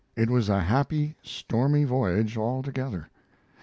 It was a happy, stormy voyage altogether.